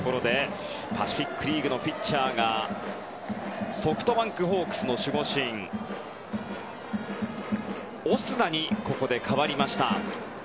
パシフィック・リーグのピッチャーがソフトバンクホークスの守護神オスナに代わりました。